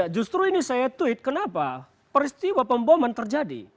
justru ini saya tweet kenapa peristiwa pemboman terjadi